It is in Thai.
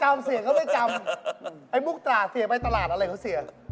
ยาก่อนต่างเสียไปตลาดอะไรเค้าเสีย